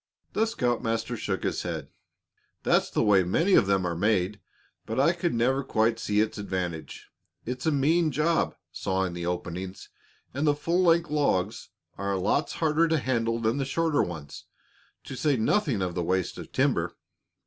The scoutmaster shook his head. "That's the way many of them are made, but I could never quite see its advantage. It's a mean job, sawing the openings, and the full length logs are lots harder to handle than shorter ones, to say nothing of the waste of timber.